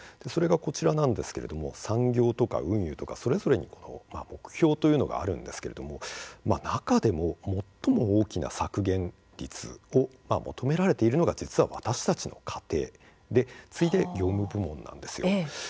それが、こちらなんですけれども産業とか運輸とかそれぞれに目標というのがあるんですけれども中でも最も大きな削減率を求められているのが実は、私たちの家庭次いで業務部門なんです。